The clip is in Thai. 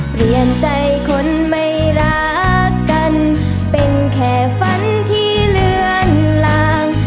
เปลี่ยนใจคนไม่รักกันเป็นแค่ฝันที่เลือนลาง